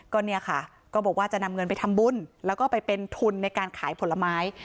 ก็เนี่ยค่ะก็บอกว่าจะนำเงินไปทำบุญแล้วก็ไปเป็นทุนในการขายผลไม้